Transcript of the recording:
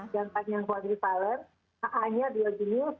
dan yang kuadrifalen a nya biogenius